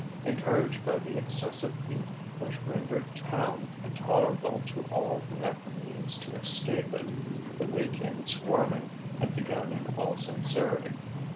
Encouraged by the excessive heat which rendered Town intolerable to all who had the means to escape it, the week end swarming had begun in all sincerity.